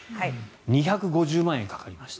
２５０万円かかりました。